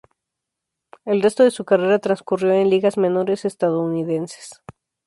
El resto de su carrera transcurrió en ligas menores estadounidenses.